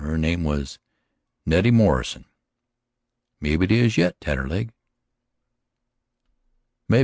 Her name was Nettie Morrison." "Maybe it is yet, Taterleg." "Maybe.